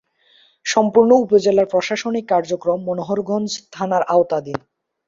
সম্পূর্ণ উপজেলার প্রশাসনিক কার্যক্রম মনোহরগঞ্জ থানার আওতাধীন।